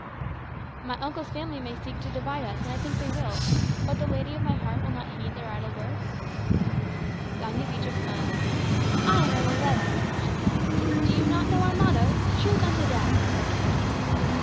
"My uncle's family may seek to divide us, and I think they will. But the lady of my heart will not heed their idle words?" Doña Beatriz smiled. "I am a Lavella," she said. "Do you not know our motto? 'True unto death.